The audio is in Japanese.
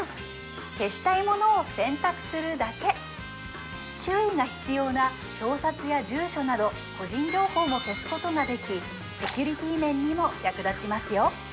消したいものを選択するだけ注意が必要な表札や住所など個人情報も消すことができセキュリティ面にも役立ちますよ